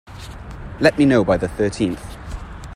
Let me know by the thirteenth.